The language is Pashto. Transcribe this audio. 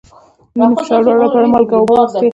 د وینې فشار لوړولو لپاره مالګه او اوبه وڅښئ